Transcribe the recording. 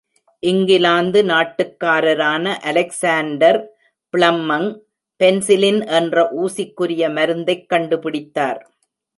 இங்கிலாந்து நாட்டுக்காரரான Alexander Fleming penicillin என்ற ஊசிக்குரிய மருந்தைக் கண்டு பிடித்தார்.